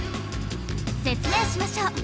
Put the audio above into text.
説明しましょう。